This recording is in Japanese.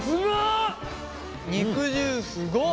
肉汁すごっ。